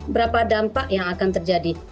berapa dampak yang akan terjadi